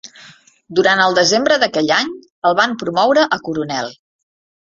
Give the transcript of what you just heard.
Durant el desembre d'aquell any, el van promoure a coronel.